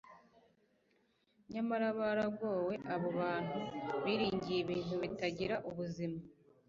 nyamara baragowe abo bantu biringiye ibintu bitagira ubuzima